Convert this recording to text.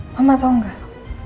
mama tau gak